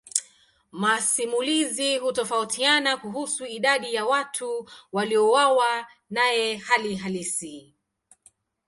Masimulizi hutofautiana kuhusu idadi ya watu waliouawa naye hali halisi.